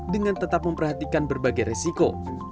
dengan tetap memperhatikan berbagai resiko